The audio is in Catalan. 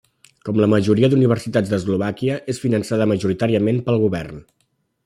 Com la majoria d'universitats d'Eslovàquia, és finançada majoritàriament pel govern.